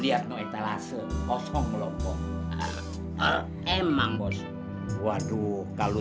aku akan membunuhmu